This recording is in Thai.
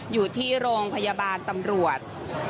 อยู่ที่โรงพยาบาลตำรวจ